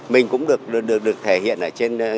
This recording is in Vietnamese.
mình cũng được thể hiện ở trên